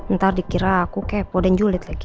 ntar dikira aku kepo dan julid lagi